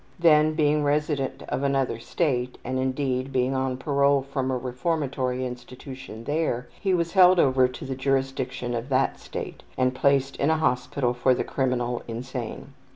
Then being resident of another State, and, indeed, being on parole from a reformatory institution there, he was held over to the jurisdiction of that State, and placed in a hospital for the criminal insane.